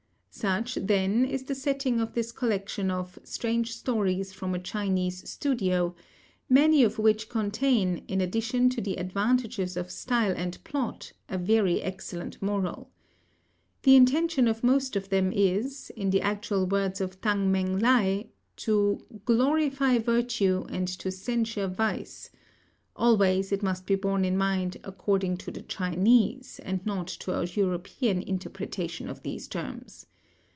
Such, then, is the setting of this collection of Strange Stories from a Chinese Studio, many of which contain, in addition to the advantages of style and plot, a very excellent moral. The intention of most of them is, in the actual words of T'ang Mêng lai, "to glorify virtue and to censure vice," always, it must be borne in mind, according to the Chinese and not to a European interpretation of these terms.